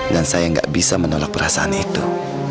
dan saya nggak bisa menolak perasaan itu